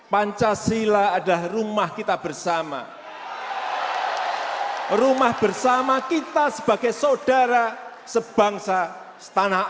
pancasila adalah rumah kita bersama rumah bersama kita sebagai saudara sebangsa setanah